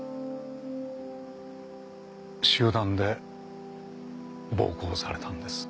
集団で暴行されたんです。